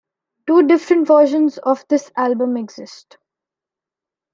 Two different versions of this album exist.